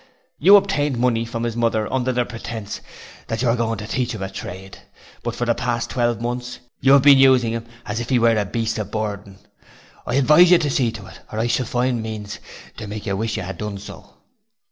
You obtained money from his mother under the pretence that you were going to teach him a trade but for the last twelve months you have been using him as if he were a beast of burden. I advise you to see to it or I shall find means to make you wish you had done so.'